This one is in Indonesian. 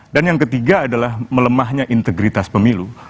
dan yang ketiga adalah melemahnya integritas pemilu